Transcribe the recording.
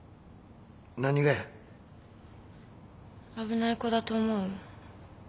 危ない子だと思う？